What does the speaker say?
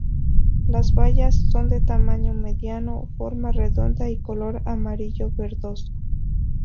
Las bayas son de tamaño mediano, forma redonda y color amarillo-verdoso.